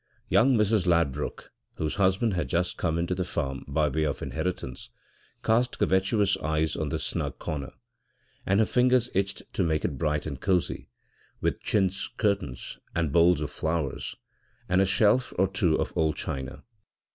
Young Mrs. Ladbruk, whose husband had just come into the farm by way of inheritance, cast covetous eyes on this snug corner, and her fingers itched to make it bright and cosy with chintz curtains and bowls of flowers, and a shelf or two of old china.